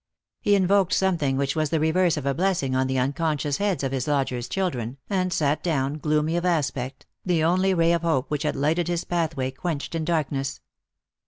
He invoked something which was the reverse of a blessing on the unconscious heads of his lodger's children, and sat down, gloomy of aspect, the only ray of hope which had lighted his pathway quenched in darkness.